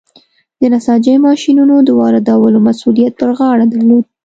د نساجۍ ماشینونو د واردولو مسوولیت پر غاړه درلود.